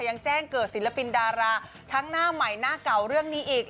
ยังแจ้งเกิดศิลปินดาราทั้งหน้าใหม่หน้าเก่าเรื่องนี้อีก